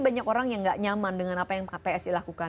karena ada orang yang nggak nyaman dengan apa yang psi lakukan